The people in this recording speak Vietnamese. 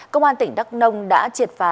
công an tỉnh đắk nông đã triệt phá